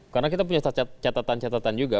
karena kita punya catatan catatan juga